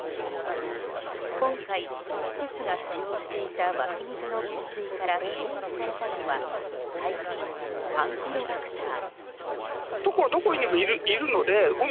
今回、施設が使用していた湧き水の源水から検出されたのは細菌カンピロバクター。